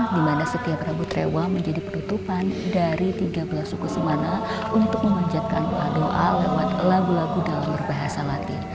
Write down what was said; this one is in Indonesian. di mana setiap rabu trewa menjadi penutupan dari tiga belas suku semana untuk memanjatkan doa doa lewat lagu lagu dalam berbahasa latin